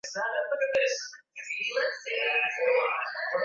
wazee wa jamii ya Wabukusu waliamua kwenda kuifukua baadhi ya miili ya wapendwa wao